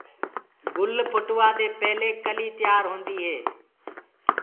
گُل ڦُٽوآدي پيلي ڪلي تيآر هوندي هي۔